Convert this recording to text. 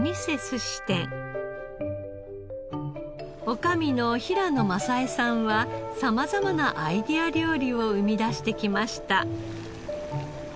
女将の平野まさ枝さんは様々なアイデア料理を生み出してきました。